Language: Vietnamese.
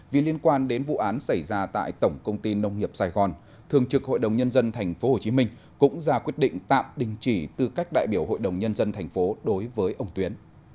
vì liên quan đến vụ án xảy ra tại tổng công ty nông nghiệp sài gòn thường trực hội đồng nhân dân tp hcm cũng ra quyết định tạm đình chỉ tư cách đại biểu hội đồng nhân dân thành phố đối với ông tuyến